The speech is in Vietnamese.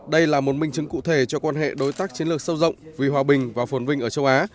đây là một minh chứng cụ thể cho quan hệ đối tác chiến lược sâu rộng vì hòa bình và phồn vinh ở châu á